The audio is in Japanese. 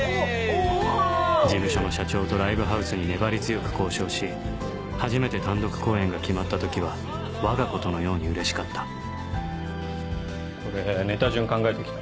事務所の社長とライブハウスに粘り強く交渉し初めて単独公演が決まった時はわが事のようにうれしかったこれネタ順考えて来た。